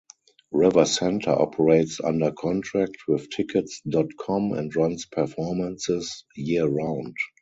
RiverCenter operates under contract with Tickets dot com and runs performances year-round.